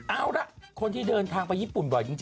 เอาล่ะคนที่เดินทางไปญี่ปุ่นบ่อยจริง